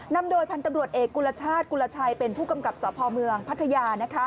นำโดยพันธ์ตำรวจเอกกุลชาติกุลชัยเป็นผู้กำกับสพเมืองพัทยา